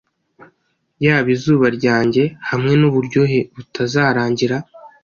Yaba izuba ryanjye, hamwe nuburyohe butazarangira.